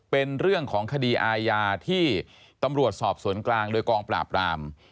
เป็นเรื่องของคดีอาญาที่ตำรวจสอบสวนกลางโดยกองปราบราม